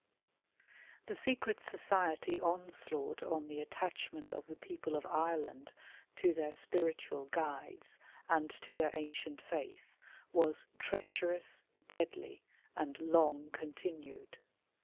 The secret society onslaught on the attachment of the people of Ireland to their spiritual guides and to their ancient faith was treacherous, deadly, and long continued.